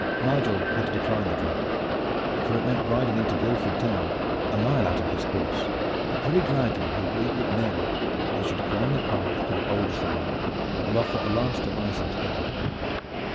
Nigel had to decline the draft, for it meant riding into Guildford town, a mile out of his course, but very gladly he agreed with Mary that they should climb the path to the old shrine and offer a last orison together.